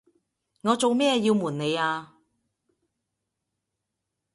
我做咩要暪你呀？